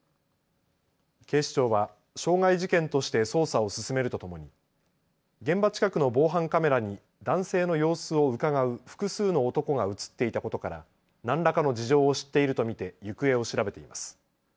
警視庁は傷害事件として捜査を進めるとともに現場近くの防犯カメラに男性の様子をうかがう複数の男が写っていたことから何らかの事情を知っていると見て行方を調べています。